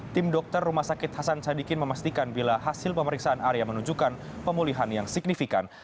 tim dokter rumah sakit hasan sadikin memastikan bila hasil pemeriksaan arya menunjukkan pemulihan yang signifikan